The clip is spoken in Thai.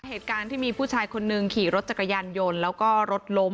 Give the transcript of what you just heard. เหตุการณ์ที่มีผู้ชายคนนึงขี่รถจักรยานยนต์แล้วก็รถล้ม